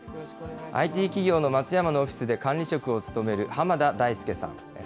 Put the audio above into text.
ＩＴ企業の松山のオフィスで管理職を務める濱田大輔さん。